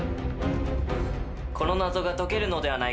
この謎が解けるのではないかと。